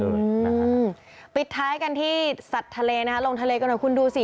นะฮะปิดท้ายกันที่สัตว์ทะเลนะฮะลงทะเลก่อนให้คุณดูสิ